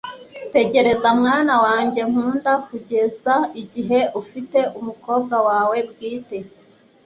tegereza, mwana wanjye nkunda, kugeza igihe ufite umukobwa wawe bwite